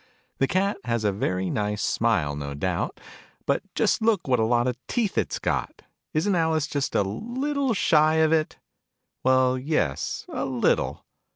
The Cat has a very nice smile, no doubt : but just look what a lot of teeth it's got ! Isn't Alice just a little shy of it ? Well, yes, a little.